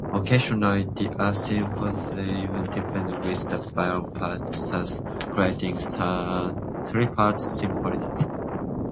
Occasionally the early symphonists even dispensed with the viola part, thus creating three-part symphonies.